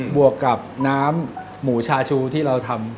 วกกับน้ำหมูชาชูที่เราทำ